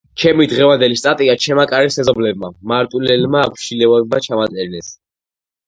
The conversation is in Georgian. ჩემი დღევანდელი სტატია ჩემმა კარის მეზობლებმა, მარტვილელმა აბშილავებმა ჩამაწერინეს.